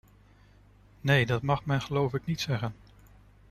Nee, dat mag men geloof ik niet zeggen.